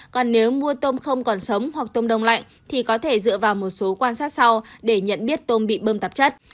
còn nếu mua tôm không còn sống hoặc tôm đông lạnh thì có thể dựa vào một số quan sát sau để nhận biết tôm bị bơm tạp chất